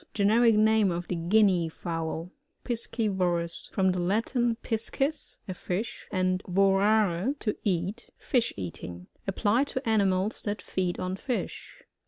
Gen eric name of the Guinea fowl. Piscivorous. — From the Latin, piacis, a fitfh, and tioraret to eat. Fish eating. Applied to animals that feed on fish.